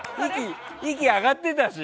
息上がってたし。